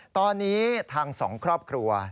ตอนนี้ทางสองครอบครัว